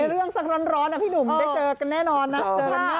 มีเรื่องสักร้อนนะพี่หนุ่มได้เจอกันแน่นอนนะ